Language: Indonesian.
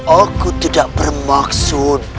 aku tidak bermaksud